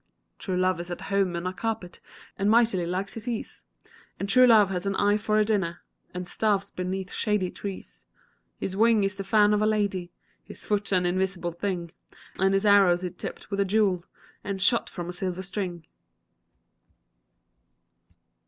True love is at home on a carpet, And mightily likes his ease And true love has an eye for a dinner, And starves beneath shady trees. His wing is the fan of a lady, His foot's an invisible thing, And his arrow is tipp'd with a jewel And shot from a silver string.